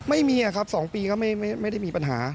ไม่มีครับ๒ปีก็ไม่ได้มีปัญหา